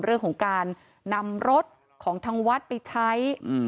เรื่องของการนำรถของทางวัดไปใช้